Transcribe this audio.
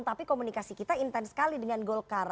tapi komunikasi kita intens sekali dengan golkar